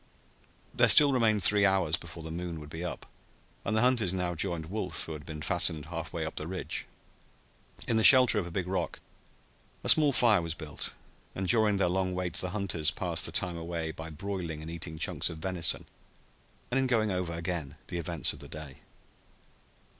There still remained three hours before the moon would be up, and the hunters now joined Wolf, who had been fastened half way up the ridge. In the shelter of a big rock a small fire was built, and during their long wait the hunters passed the time away by broiling and eating chunks of venison and in going over again the events of the day.